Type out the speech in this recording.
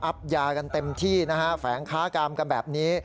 อับยากันเต็มที่แฝงค้ากรามกันแบบนี้